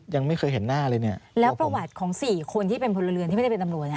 ยังไม่เคยเห็นหน้าเลยแล้วประวัติของ๔คนที่เป็นคนร้วยเรือนที่ไม่ได้เป็นตำรวจ